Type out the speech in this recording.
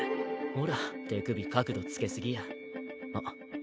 ほら手首角度つけ過ぎや。